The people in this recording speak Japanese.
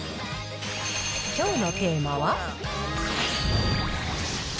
きょうのテーマは。